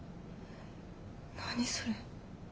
何それ。